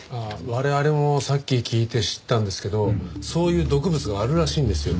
我々もさっき聞いて知ったんですけどそういう毒物があるらしいんですよ。